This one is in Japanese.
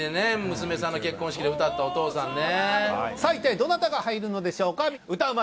娘さんの結婚式で歌ったお父さんねさあ一体どなたが入るのでしょうか歌うま